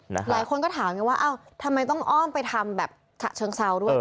หลายคนก็ถามไงว่าเอ้าทำไมต้องอ้อมไปทำแบบฉะเชิงเซาด้วย